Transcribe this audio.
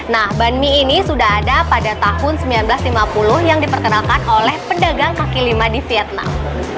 nah ban mie ini sudah ada pada tahun seribu sembilan ratus lima puluh yang diperkenalkan oleh pedagang kaki lima di vietnam